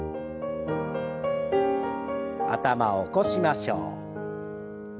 頭を起こしましょう。